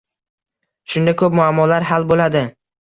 Shunda ko‘p muammolar hal bo‘ladi.